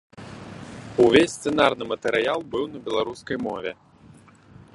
Увесь сцэнарны матэрыял быў на беларускай мове.